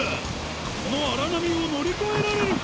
この荒波を乗り越えられるか？